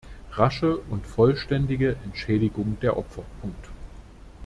Rasche und vollständige Entschädigung der Opfer.